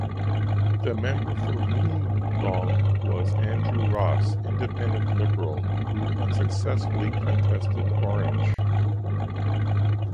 The member for Molong was Andrew Ross (Independent Liberal) who unsuccessfully contested Orange.